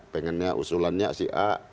pengennya usulannya si a